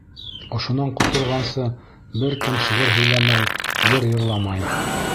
Ошонан ҡотолғанса бер кем шиғыр һөйләмәй, йыр йырламай!